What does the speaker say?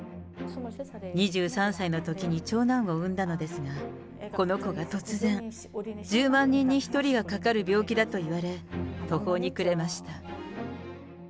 ２３歳のときに長男を産んだのですが、この子が突然、１０万人に１人がかかる病気だといわれ、途方に暮れました。